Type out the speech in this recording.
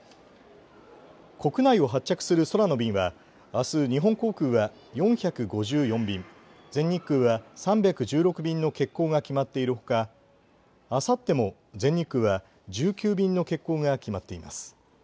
国内を発着する空の便はあす日本航空は４５４便、全日空は３１６便の欠航が決まっているほかあさっても全日空は１９便の欠航が決まっています。